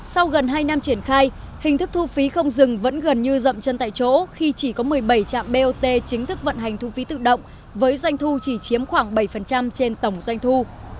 sau gần hai năm triển khai hình thức thu phí không dừng vẫn gần như rậm chân tại chỗ khi chỉ có một mươi bảy trạm bot chính thức vận hành thu phí tự động với doanh thu chỉ chiếm khoảng bảy trên tổng doanh thu